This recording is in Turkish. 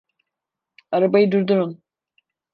Arabayı durdurun!